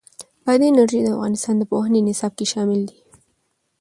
بادي انرژي د افغانستان د پوهنې نصاب کې شامل دي.